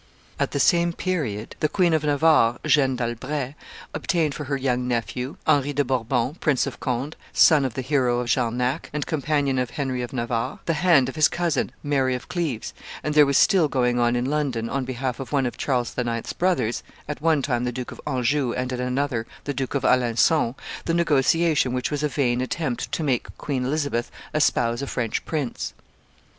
At the same period, the Queen of Navarre, Jeanne d'Albret, obtained for her young nephew, Henry de Bourbon, Prince of Conde, son of the hero of Jarnac, and companion of Henry of Navarre, the hand of his cousin, Mary of Cleves; and there was still going on in London, on behalf of one of Charles IX.'s brothers, at one time the Duke of Anjou and at another the Duke of Alencon, the negotiation which was a vain attempt to make Queen Elizabeth espouse a French prince.